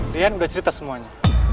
lian udah cerita semuanya